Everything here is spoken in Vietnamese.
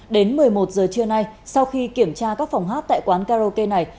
đến một mươi một giờ trưa nay sau khi kiểm tra các phòng hát tại quán karaoke này